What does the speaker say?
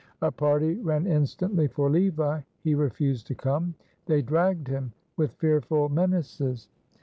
A party ran instantly for Levi. He refused to come. They dragged him with fearful menaces.